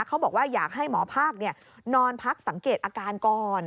เขาบอกว่าอยากให้หมอภาคนอนพักสังเกตอาการก่อน